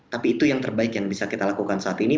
tapi itu yang terbaik yang bisa kita lakukan saat ini